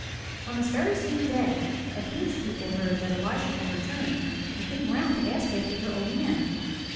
On this very same day Efim*s people heard that Elisha had returned, and came round to ask after their old man.